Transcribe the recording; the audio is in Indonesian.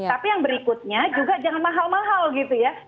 tapi yang berikutnya juga jangan mahal mahal gitu ya